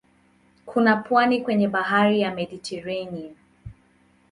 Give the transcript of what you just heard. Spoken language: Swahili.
Kuna pwani kwenye bahari ya Mediteranea.